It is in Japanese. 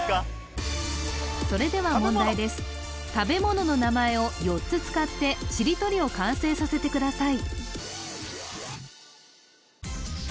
それでは問題です食べ物の名前を４つ使ってしりとりを完成させてください